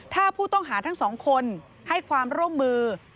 ถ้าผู้ต้องหาทั้งสองคนให้ความร่วมมือ